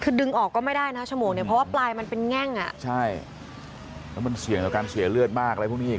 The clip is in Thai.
คือดึงออกก็ไม่ได้นะฉมวกเนี่ยเพราะว่าปลายมันเป็นแง่งอ่ะ